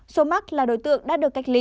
số mắc là đối tượng đã được cách ly